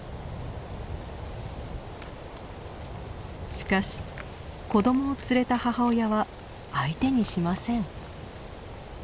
しかし子どもを連れた母親は相手にしません。